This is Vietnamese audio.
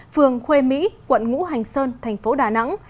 phường khuê mỹ quận ngũ hành sơn thành phố đà nẵng